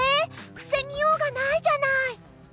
防ぎようがないじゃない！